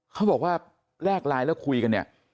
เขาบอกว่าแลกไลน์แล้วคุยกันเนี่ย